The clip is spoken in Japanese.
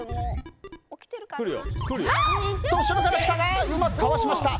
後ろから来たがうまくかわしました。